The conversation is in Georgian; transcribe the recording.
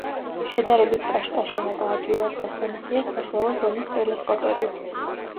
შედარებით კაშკაშაა და ადვილად დასანახია საშუალო ზომის ტელესკოპებით.